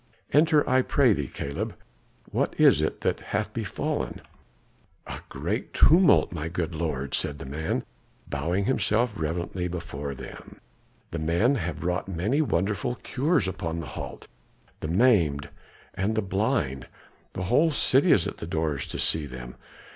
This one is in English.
Enter, I pray thee, Caleb. What is it that hath befallen?" "A great tumult, my good lords," said the man, bowing himself reverently before them. "The men have wrought many wonderful cures upon the halt, the maimed, and the blind; the whole city is at the doors to see them.